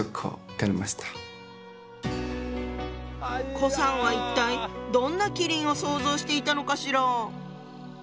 顧さんは一体どんな麒麟を想像していたのかしら？